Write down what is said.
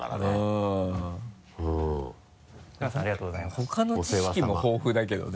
他の知識も豊富だけどね